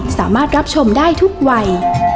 แม่บ้านกระจันบรรย์